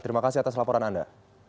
terima kasih atas laporan anda